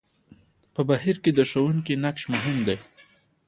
په بهير کې د ښوونکي نقش مهم وي.